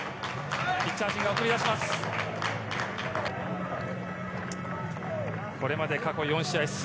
ピッチャー陣が送り出します。